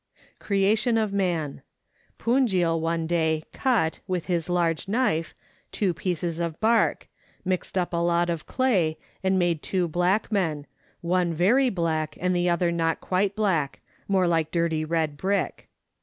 Creation of Man. Punjil one day cut, with his large knife, two pieces of bark, mixed up a lot of clay, and made two black men, one very black and the other not quite black more like dirty red brick.